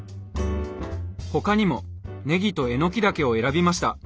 他にもねぎとえのきだけを選びました。